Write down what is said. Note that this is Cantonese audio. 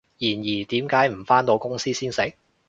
然而，點解唔返到公司先食？